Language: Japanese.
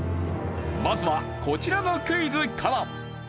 まずはこちらのクイズから。